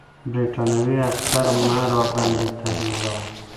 برټانوي عسکر مه راباندې تحمیلوه.